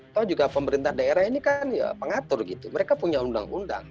atau juga pemerintah daerah ini kan ya pengatur gitu mereka punya undang undang